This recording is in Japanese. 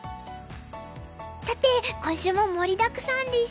さて今週も盛りだくさんでした。